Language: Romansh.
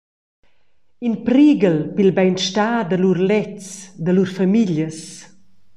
In prighel pil beinstar da lur lètgs, da lur famiglias.